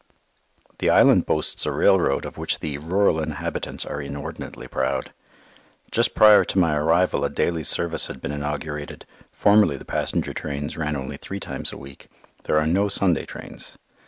The island boasts a railroad of which the rural inhabitants are inordinately proud. Just prior to my arrival a daily service had been inaugurated. Formerly the passenger trains ran only three times a week. There are no Sunday trains.